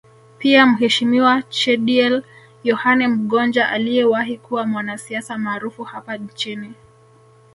Pia Mheshimiwa Chediel Yohane Mgonja aliyewahi kuwa mwanasiasa maarufu hapa nchini